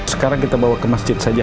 sekarang kita bawa ke masjid saja